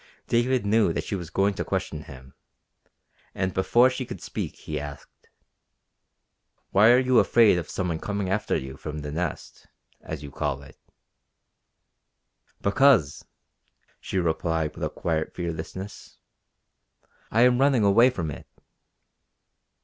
David knew that she was going to question him, and before she could speak he asked: "Why are you afraid of some one coming after you from the Nest, as you call it?" "Because," she replied with quiet fearlessness, "I am running away from it."